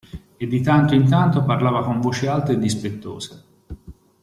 E di tanto in tanto parlava con voce alta e dispettosa.